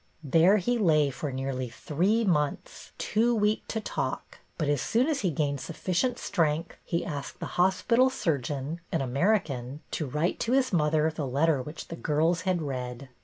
There he lay for nearly three months, too weak to talk ; but as soon as he gained sufficient strength he asked the hos pital surgeon, an American, to write to his mother the letter which the girls had read.